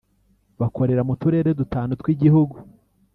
bakorera mu turere dutanu tw’igihugu